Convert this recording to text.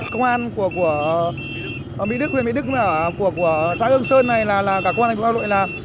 công an của mỹ đức huyện mỹ đức của xã hương sơn này là cả công an thành phố a lội làm